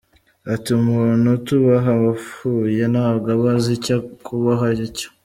Ati “Umuntu utubaha abapfuye ntabwo aba azi icyo kubaho aricyo.